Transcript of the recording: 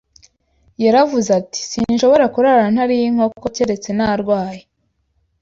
Yaravuze ati Sinshobora kurara ntariye inkoko keretse narwaye